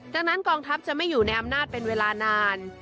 จากนั้นกองทัพจะไม่อยู่ในอำนาจเป็นเวลานาน